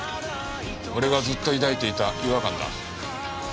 俺がずっと抱いていた違和感だ。